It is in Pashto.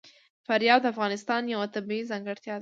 فاریاب د افغانستان یوه طبیعي ځانګړتیا ده.